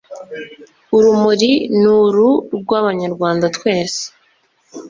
Ururimi nur rw'Abanyarwanda TWESE.